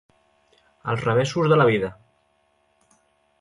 Els revessos de la vida.